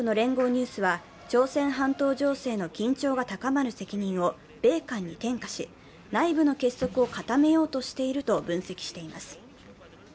ニュースは朝鮮半島情勢の緊張が高まる責任を米韓に転嫁し、内部の結束を固めようとしていると分析しています。